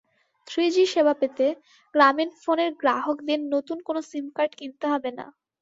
Three G সেবা পেতে গ্রামীণফোনের গ্রাহকদের নতুন কোনো সিমকার্ড কিনতে হবে না।